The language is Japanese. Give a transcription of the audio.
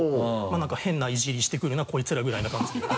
まぁなんか変なイジりしてくるなこいつらぐらいな感じで。